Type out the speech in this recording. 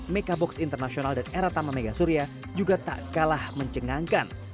mekabox international dan eratama megasuria juga tak kalah mencengangkan